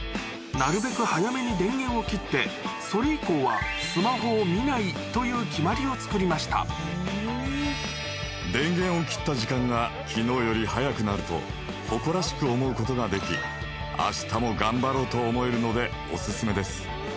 なるべくそれ以降はスマホを見ないという決まりを作りました電源を切った時間が昨日より早くなると誇らしく思うことができ明日も頑張ろうと思えるのでお薦めです。